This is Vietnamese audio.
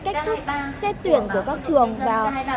cách thức xét tuyển của các trường